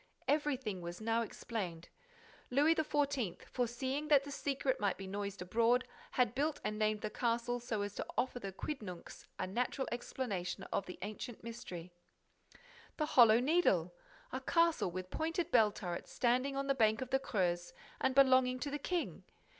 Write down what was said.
Everything was now explained: Louis XIV., foreseeing that the secret might be noised abroad, had built and named that castle so as to offer the quidnuncs a natural explanation of the ancient mystery. The Hollow Needle! A castle with pointed bell turrets standing on the bank of the Creuse and belonging to the King.